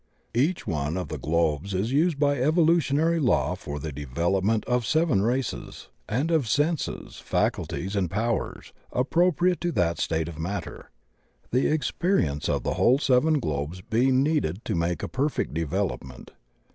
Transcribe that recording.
Each one of the globes is used by evolutionary law for the development of seven races, and of senses, fac ulties and powers appropriate to that state of matter: the experience of the whole seven globes being needed to make a perfect development.